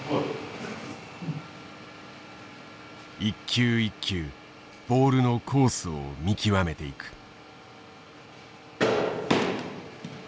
一球一球ボールのコースを見極めていく。